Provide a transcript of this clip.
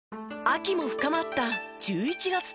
秋も深まった１１月１０日。